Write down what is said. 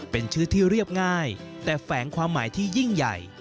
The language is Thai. เป็นชื่อที่เรียบง่ายแต่แฝงความหมายที่ยิ่งใหญ่